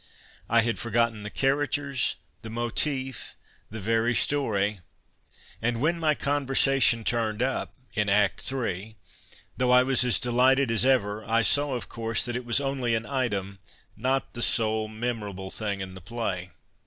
I had forgotten the characters, the motif, the very story. And when my couNcrsation turned up (in .Vet III.), though I was as delighted as ever, I saw, of course, that it was only an item, not the sole memorable thing in the piay.